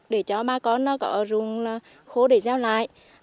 để cho bà con có dùng khô để gieo lại